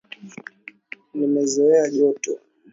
Nimezoea joto.